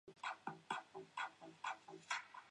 长花柱虎耳草为虎耳草科虎耳草属下的一个变种。